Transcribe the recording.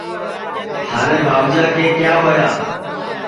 تھارے بھاوجا کے کیا ہویا